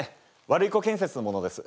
ワルイコ建設の者です。